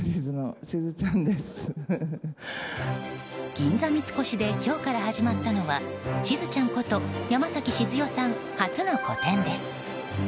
銀座三越で今日から始まったのはしずちゃんこと山崎静代さん初の個展です。